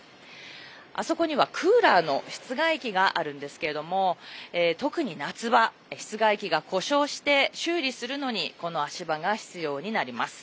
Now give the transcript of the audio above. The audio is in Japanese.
あそこには、クーラーの室外機があるんですけれども特に夏場室外機が故障して修理するのにこの足場が必要になります。